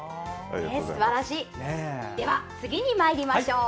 次に、まいりましょう。